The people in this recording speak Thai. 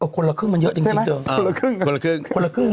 คนละครึ่งมันเยอะจริง